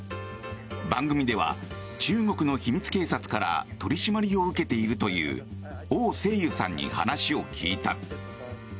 番組では、中国の秘密警察から取り締まりを受けているというオウ・セイユさんに話を聞いた。